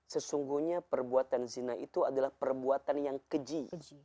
sesungguhnya perbuatan zina itu adalah perbuatan yang keji